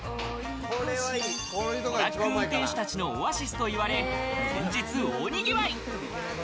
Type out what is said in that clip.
トラック運転手たちのオアシスと言われ、連日大にぎわい。